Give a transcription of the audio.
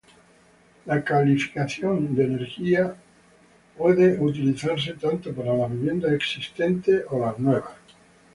La calificación de energía puede ser utilizado tanto para las viviendas existentes o nuevas.